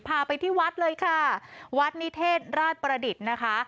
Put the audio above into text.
พาไปที่วัดเลยค่ะวัดนิเทศราชประดิษฐ์นะคะ